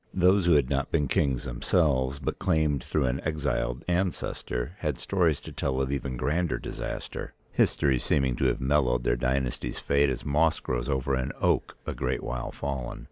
Those who had not been kings themselves, but claimed through an exiled ancestor, had stories to tell of even grander disaster, history seeming to have mellowed their dynasty's fate as moss grows over an oak a great while fallen.